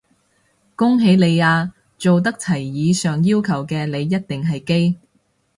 恭喜你啊，做得齊以上要求嘅你一定係基！